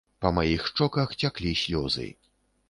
Па маіх шчоках цяклі слёзы.